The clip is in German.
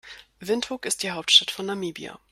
Windhoek ist die Hauptstadt von Namibia.